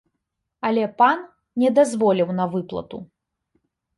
Але пан не дазволіў на выплату.